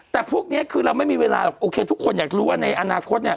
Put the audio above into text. แต่พวกนี้คือเราไม่มีเวลาหรอกโอเคทุกคนอยากรู้ว่าในอนาคตเนี่ย